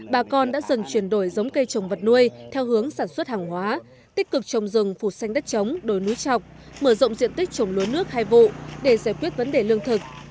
bà con đã dần chuyển đổi giống cây trồng vật nuôi theo hướng sản xuất hàng hóa tích cực trồng rừng phụt xanh đất trống đồi núi trọc mở rộng diện tích trồng lúa nước hai vụ để giải quyết vấn đề lương thực